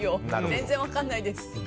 全然分からないです。